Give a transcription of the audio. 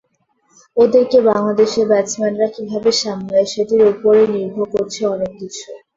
ওদেরকে বাংলাদেশের ব্যাটসম্যানরা কীভাবে সামলায়, সেটির ওপরই নির্ভর করছে অনেক কিছু।